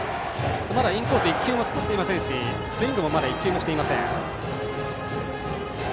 インコース１球も使っていませんしスイングもまだしていません。